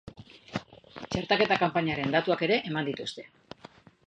Txertaketa kanpainaren datuak ere eman dituzte.